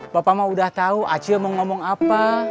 bapak mau udah tau acil mau ngomong apa